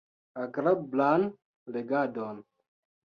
Agrablan legadon!